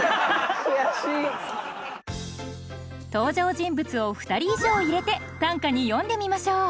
登場人物を２人以上入れて短歌に詠んでみましょう。